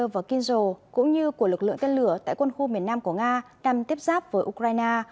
và lực lượng tên lửa tại quân khu miền nam của nga đang tiếp giáp với ukraine